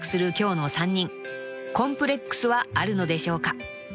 ［コンプレックスはあるのでしょうか］